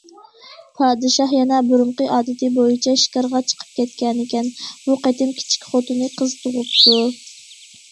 پادىشاھ يەنە بۇرۇنقى ئادىتى بويىچە شىكارغا چىقىپ كەتكەنىكەن، بۇ قېتىم كىچىك خوتۇنى قىز تۇغۇپتۇ.